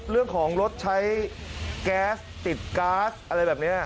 เรื่องของรถใช้แก๊สติดก๊าซอะไรแบบนี้